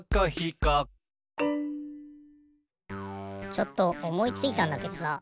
ちょっとおもいついたんだけどさ